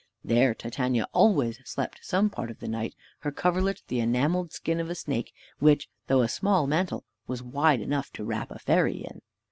There Titania always slept some part of the night; her coverlet the enameled skin of a snake, which, though a small mantle, was wide enough to wrap a fairy in.